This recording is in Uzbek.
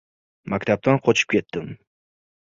Maktabdan qochib ketdim.